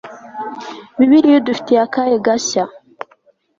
bibiliya idufitiye akahe gashya